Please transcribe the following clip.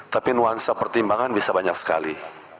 tapi nuansa pertimbangan bisa banyak sekali